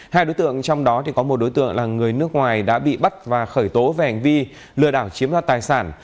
hai đối tượng trong đó có một đối tượng là người nước ngoài đã bị bắt và khởi tố về hành vi lừa đảo chiếm đoạt tài sản